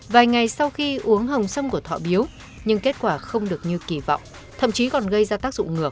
vài ngày sau khi uống hồng sâm của thọ biếu nhưng kết quả không được như kỳ vọng thậm chí còn gây ra tác dụng ngược